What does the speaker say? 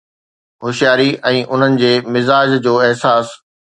هوشياري ۽ انهن جي مزاح جو احساس